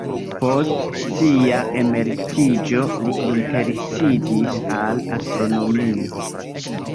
Post sia emeritiĝo li interesiĝis al astronomio.